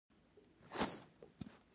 په دې حالت کې ثابته پانګه هم لوړېږي